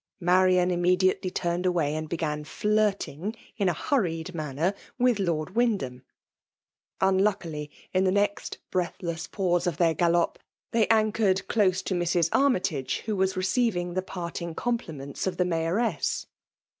Marian immediately turned away^ and began flirtings in a hurried manner, with Lord Wynd ham. Unluckily, in the next breathless pause of their gallope, they anchored close to Mrs. Armytage, who was receiving the parting compliments of the Mayoress.